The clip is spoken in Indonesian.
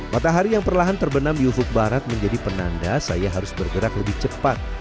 matahari yang perlahan terbenam di ufuk barat menjadi penanda saya harus bergerak lebih cepat